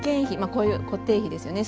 こういう固定費ですよね。